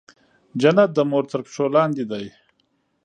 جنت د مور تر پښو لاندې دی